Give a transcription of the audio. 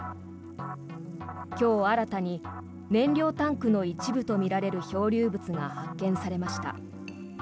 今日、新たに燃料タンクの一部とみられる漂流物が発見されました。